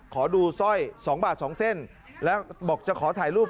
ขอดูสร้อยสองบาทสองเส้นแล้วบอกจะขอถ่ายรูป